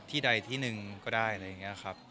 ใดที่หนึ่งก็ได้อะไรอย่างนี้ครับ